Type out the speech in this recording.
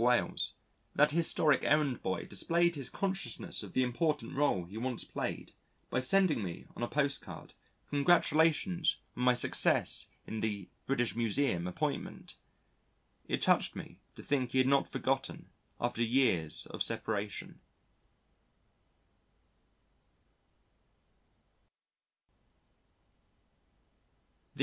Wales, that historic errand boy displayed his consciousness of the important role he once played by sending me on a postcard congratulations on my success in the B.M. appointment. It touched me to think he had not forgotten after years of separation.